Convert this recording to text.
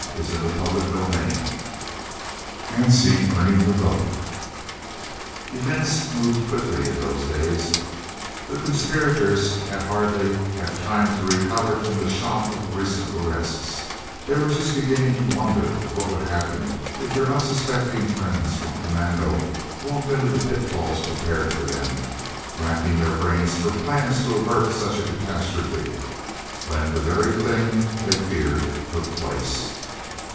] CHAPTER XXVIII HANSIE EARNING THE VOTE Events moved quickly in those days. The conspirators had hardly had time to recover from the shock of the recent arrests, they were just beginning to wonder what would happen if their unsuspecting friends from commando walked into the pitfalls prepared for them, racking their brains for plans to avert such a catastrophe, when the very thing they feared took place.